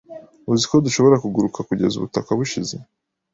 Uzi ko dushobora kuguruka kugeza ubutaka bushize